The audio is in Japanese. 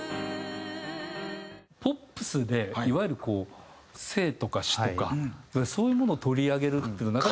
ポップスでいわゆるこう生とか死とかそういうものを取り上げるっていうのなかなか。